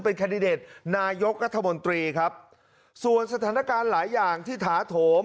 แคนดิเดตนายกรัฐมนตรีครับส่วนสถานการณ์หลายอย่างที่ถาโถม